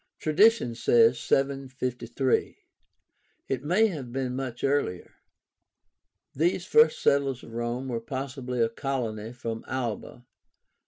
Tradition says in 753. It may have been much earlier. These first settlers of Rome were possibly a colony from Alba.